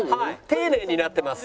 丁寧になってます。